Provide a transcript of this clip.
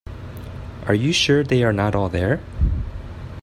Are you sure they are not all there?